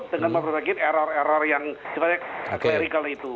dengan memproduksi error error yang clerical itu